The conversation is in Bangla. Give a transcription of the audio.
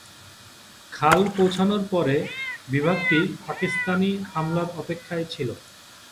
খাল পৌঁছানোর পরে বিভাগটি পাকিস্তানি হামলার অপেক্ষায় ছিল।